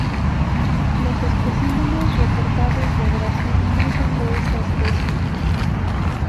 Los especímenes reportados de Brasil no son de esta especie.